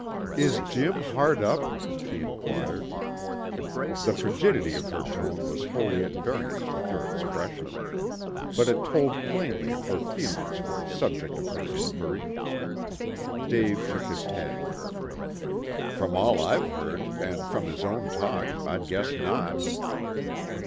"Is Jim hard up?" she inquired. The frigidity of her tone was wholly at variance with her expression. But it told plainly of her feelings for the subject of her inquiry. Dave shook his head. "From all I've heard, and from his own talk, I'd guess not."